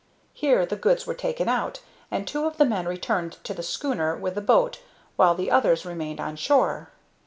Here the goods were taken out, and two of the men returned to the schooner with the boat while the others remained on shore.